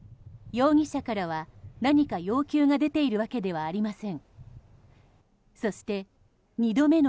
容疑者からは、何か要求が出ているわけではありません。